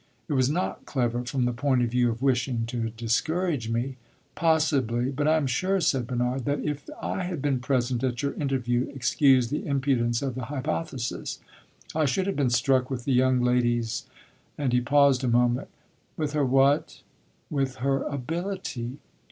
"It was not clever from the point of view of wishing to discourage me." "Possibly. But I am sure," said Bernard, "that if I had been present at your interview excuse the impudence of the hypothesis I should have been struck with the young lady's " and he paused a moment. "With her what?" "With her ability."